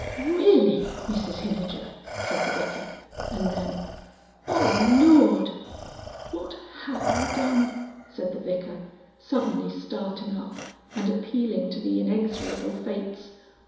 "Really, Mrs Hinijer!" said the Vicar, and then, "Oh Lord!" "What have I done?" said the Vicar, suddenly starting up and appealing to the inexorable fates.